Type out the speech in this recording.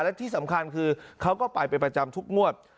และที่สำคัญคือเขาก็ไปเป็นประจำทุกงวด